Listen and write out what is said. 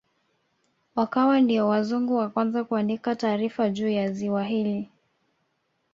Wakawa ndio wazungu wa kwanza kuandika taarifa juu ya ziwa hili